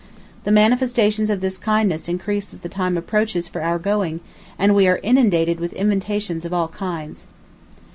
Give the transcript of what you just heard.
The manifestations of this kindness increase as the time approaches for our going and we are inundated with invitations of all kinds.